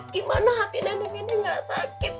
gimana hati neneng ini gak sakit